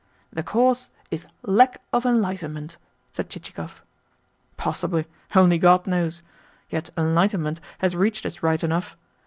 "The cause is lack of enlightenment," said Chichikov. "Possibly only God knows. Yet enlightenment has reached us right enough.